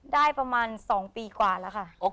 ได้ประมาณสองปีกว่าละค่ะ